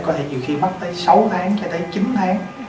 có thể dù khi mắc tới sáu tháng cho tới chín tháng